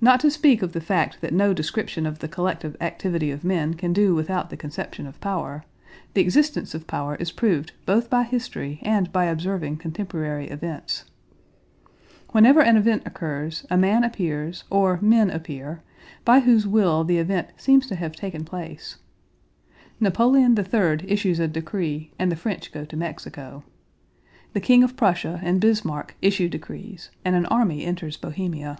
Not to speak of the fact that no description of the collective activity of men can do without the conception of power, the existence of power is proved both by history and by observing contemporary events. Whenever an event occurs a man appears or men appear, by whose will the event seems to have taken place. Napoleon III issues a decree and the French go to Mexico. The King of Prussia and Bismarck issue decrees and an army enters Bohemia.